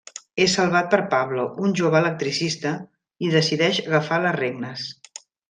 És salvat per Pablo, un jove electricista, i decideix agafar les regnes.